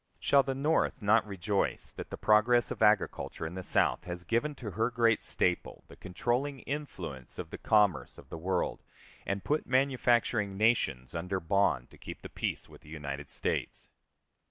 Shall the North not rejoice that the progress of agriculture in the South has given to her great staple the controlling influence of the commerce of the world, and put manufacturing nations under bond to keep the peace with the United States?